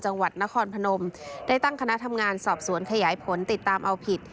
จังหวัดนครพนมได้ตั้งคณะทำงานสอบสวนขยายผลติดตามเอาผิด